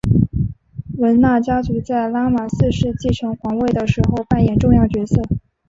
汶那家族在拉玛四世继承皇位的时候扮演重要角色。